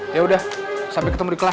yaudah sampai ketemu di kelas